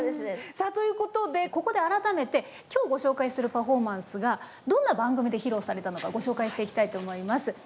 さあということでここで改めて今日ご紹介するパフォーマンスがどんな番組で披露されたのかご紹介していきたいと思います。